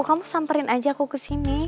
kamu samperin aja aku kesini